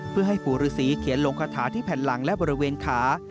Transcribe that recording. เพื่อให้ปู่ฤษีเขียนลงคาถาที่แผ่นหลังและบริเวณขา